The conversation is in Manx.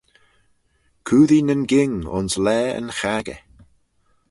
Coodee nyn ghing ayns laa yn chaggey.